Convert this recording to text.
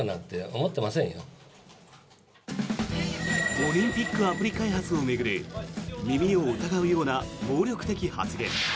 オリンピックアプリ開発を巡る耳を疑うような暴力的発言。